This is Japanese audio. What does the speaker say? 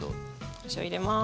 お塩入れます。